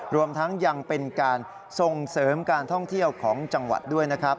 รวมทั้งยังเป็นการส่งเสริมการท่องเที่ยวของจังหวัดด้วยนะครับ